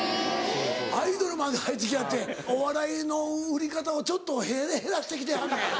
アイドルまで入ってきはってお笑いの売り方をちょっと減らしてきてはんねん。